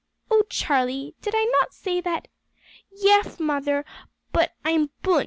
"O Charlie! did I not say that " "Yes, muvver, but I'm bu'nt."